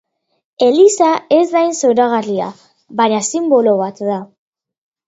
Eliza ez da hain zoragarria, baina sinbolo bat da.